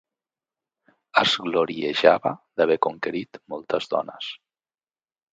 Es gloriejava d'haver conquerit moltes dones.